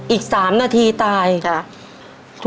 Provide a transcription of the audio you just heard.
อีก๓นาทีตายจ้ะ